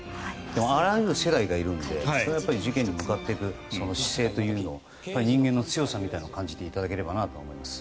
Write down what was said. あらゆる世代がいるのでそれは事件に向かっていく姿勢というのを人間の強さみたいなのを感じていただければと思います。